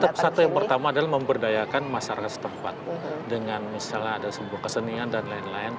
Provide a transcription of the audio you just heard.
tetap satu yang pertama adalah memberdayakan masyarakat setempat dengan misalnya ada sebuah kesenian dan lain lain